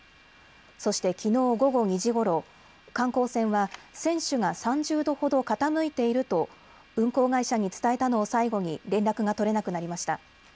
そして、きのう午後２時ごろ、観光船は船首が３０度ほど傾いていると運航会社に伝えたのを最後に連絡が取れなくなりました。